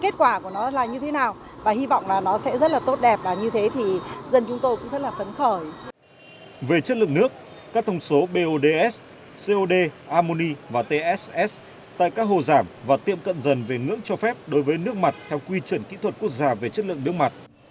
tại các hồ giảm và tiệm cận dần về ngưỡng cho phép đối với nước mặt theo quy truẩn kỹ thuật quốc gia về chất lượng nước mặt